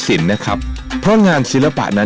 ก็จะถอดรับสินแนะครับเพราะงานศิลปะนั้น